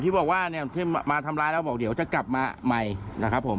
ที่บอกว่ามาทำร้ายแล้วเดี๋ยวจะกลับมาใหม่นะครับผม